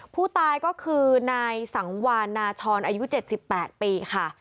ผู้ตายก็คือนายสังวานนาชรอายุเจ็ดสิบแปดปีค่ะ